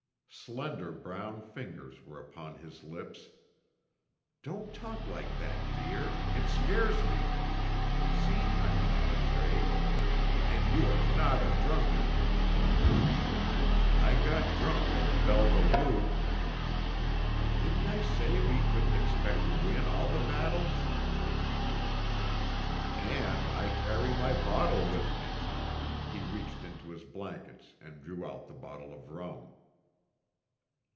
Slender brown fingers were upon his lips. "Don't talk like that, dear, it scares me. See, I am not afraid. And you are not a drunkard." "I got drunk on the Belva Lou." "Didn't I say we couldn't expect to win all the battles?" "And, I carry my bottle with me." He reached into his blankets and drew out the bottle of rum.